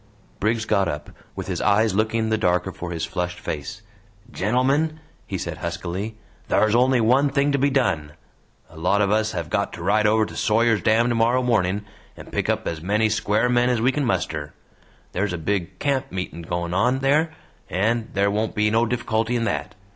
Briggs got up, with his eyes looking the darker for his flushed face. "Gentlemen," he said huskily, "thar's only one thing to be done. A lot of us have got to ride over to Sawyer's Dam tomorrow morning and pick up as many square men as we can muster; there's a big camp meeting goin' on there, and there won't be no difficulty in that.